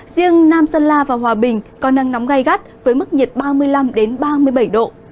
riêng nam sơn la và hòa bình có nắng nóng gai gắt với mức nhiệt ba mươi năm ba mươi bảy độ